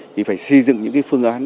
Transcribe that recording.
thì phải xây dựng những phương án